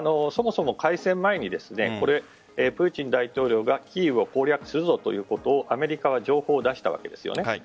そもそも開戦前にプーチン大統領がキーウを攻略するぞということをアメリカは情報を出したわけです。